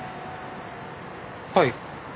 はい？